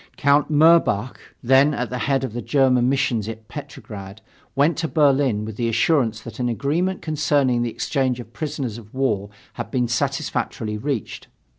Count Mirbach, then at the head of the German missions at Petrograd, went to Berlin with the assurance that an agreement concerning the exchange of prisoners of war had been satisfactorily reached.